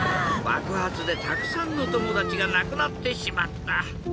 ばくはつでたくさんのともだちがなくなってしまった。